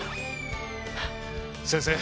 ⁉先生！